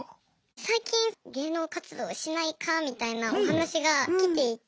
最近芸能活動しないかみたいなお話が来ていて。